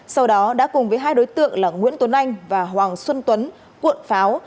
sau đó đã cùng với hai đối tượng là nguyễn tuấn anh và hoàng xuân tuấn cuộn pháo